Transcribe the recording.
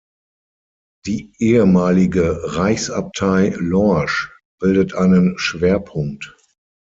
Die ehemalige Reichsabtei Lorsch bildet einen Schwerpunkt.